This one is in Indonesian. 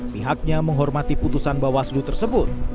pihaknya menghormati putusan bawaslu tersebut